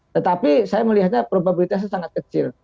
tetapi saya melihatnya probabilitasnya sangat kecil